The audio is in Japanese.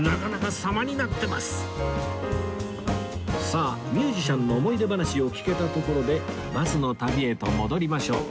さあミュージシャンの思い出話を聞けたところでバスの旅へと戻りましょう